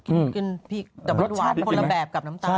กินดับต้นหวานโบรมแบบกับน้ำตาล